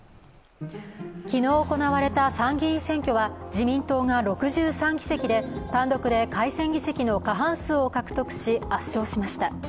昨日行われた参議院選挙は自民党が６３議席で、単独で改選議席の過半数を獲得し、圧勝しました。